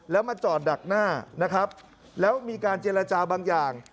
แล้วมาจอดดักหน้านะครับแล้วมีการเจรจาบางอย่าง